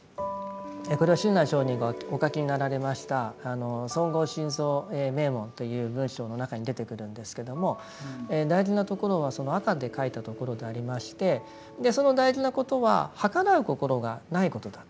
これは親鸞聖人がお書きになられました「尊号真像銘文」という文章の中に出てくるんですけども大事なところはその赤で書いたところでありましてその大事なことははからう心がないことだと。